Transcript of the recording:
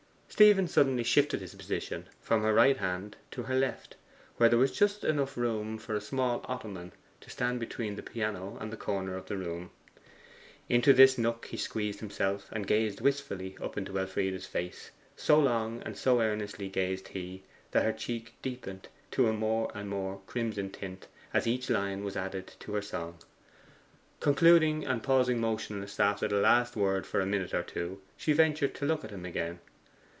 Stephen suddenly shifted his position from her right hand to her left, where there was just room enough for a small ottoman to stand between the piano and the corner of the room. Into this nook he squeezed himself, and gazed wistfully up into Elfride's face. So long and so earnestly gazed he, that her cheek deepened to a more and more crimson tint as each line was added to her song. Concluding, and pausing motionless after the last word for a minute or two, she ventured to look at him again.